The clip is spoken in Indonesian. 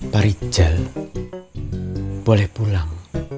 pak ricel boleh pulang